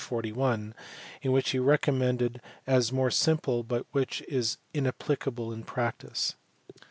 41, which he recommended as more simple but which is inapplicable in practice.